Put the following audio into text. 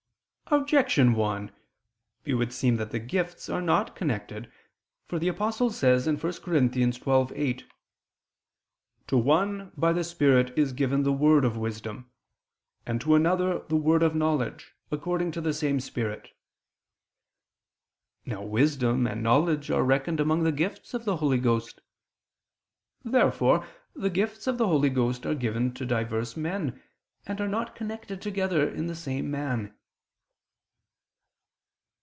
Objection 1: It would seem that the gifts are not connected, for the Apostle says (1 Cor. 12:8): "To one ... by the Spirit, is given the word of wisdom, and to another, the word of knowledge, according to the same Spirit." Now wisdom and knowledge are reckoned among the gifts of the Holy Ghost. Therefore the gifts of the Holy Ghost are given to divers men, and are not connected together in the same man.